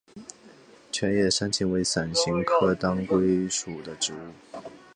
全叶山芹为伞形科当归属的植物。